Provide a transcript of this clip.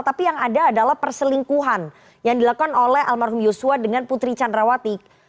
tapi yang ada adalah perselingkuhan yang dilakukan oleh almarhum yosua dengan putri candrawati